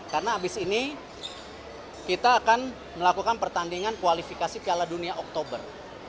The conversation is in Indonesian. karena habis ini kita akan melakukan pertandingan kualifikasi piala dunia oktober